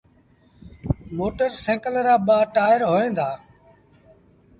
موٽر سآئيٚڪل رآٻآ ٽآئير اوهيݩ۔